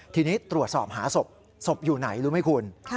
ทีนี้ตรวจสอบหาศพศพอยู่ไหนรู้ไหมคุณ